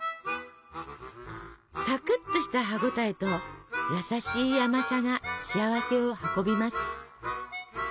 サクッとした歯応えと優しい甘さが幸せを運びます。